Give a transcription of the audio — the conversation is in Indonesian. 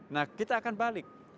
nah kita akan balik